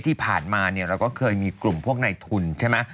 ที่ผ่านมาเนี่ยเราก็เคยมีกลุ่มพวกในทุนใช่ไหม